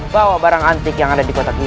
bawa barang antik yang ada di kotak itu